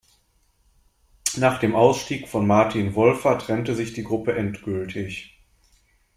Nach dem Ausstieg von Martin Wolfer trennte sich die Gruppe endgültig.